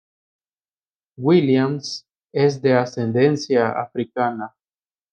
Williams es de ascendencia africana.